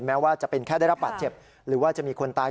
แม้ว่าจะเป็นแค่ได้รับบาดเจ็บหรือว่าจะมีคนตาย